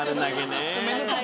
ごめんなさい。